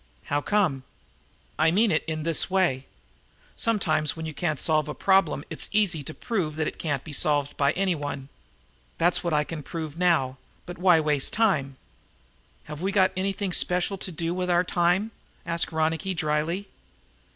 "How come?" "I mean it in this way. Sometimes when you can't solve a problem it's very easy to prove that it can't be solved by anyone. That's what I can prove now, but why waste time?" "Have we got anything special to do with our time?" asked Ronicky dryly.